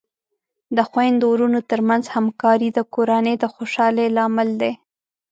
د خویندو ورونو ترمنځ همکاري د کورنۍ د خوشحالۍ لامل دی.